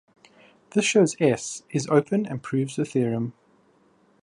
This shows "S" is open and proves the theorem.